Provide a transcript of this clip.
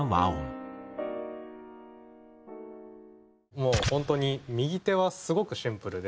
もう本当に右手はすごくシンプルで。